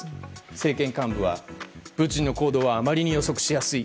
政権幹部は、プーチンの行動はあまりに予測しやすい。